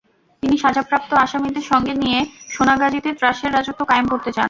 তিনি সাজাপ্রাপ্ত আসামিদের সঙ্গে নিয়ে সোনাগাজীতে ত্রাসের রাজত্ব কায়েম করতে চান।